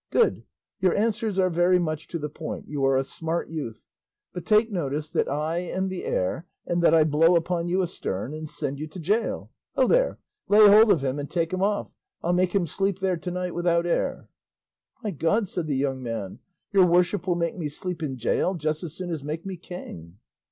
"Good! your answers are very much to the point; you are a smart youth; but take notice that I am the air, and that I blow upon you a stern, and send you to gaol. Ho there! lay hold of him and take him off; I'll make him sleep there to night without air." "By God," said the young man, "your worship will make me sleep in gaol just as soon as make me king."